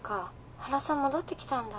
原さん戻ってきたんだ島に。